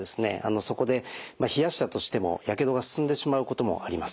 そこで冷やしたとしてもやけどが進んでしまうこともあります。